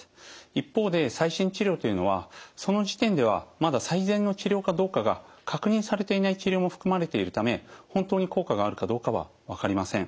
一方で最新治療というのはその時点ではまだ最善の治療かどうかが確認されていない治療も含まれているため本当に効果があるかどうかは分かりません。